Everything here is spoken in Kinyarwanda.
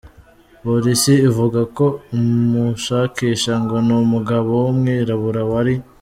Polisi ivuga ko imushakisha, ngo ni umugabo wumwirabura wari.